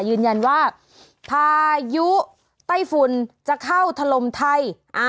ยืนยันว่าพายุไต้ฝุ่นจะเข้าถล่มไทย